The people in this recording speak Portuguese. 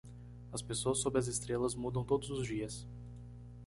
As pessoas sob as estrelas mudam todos os dias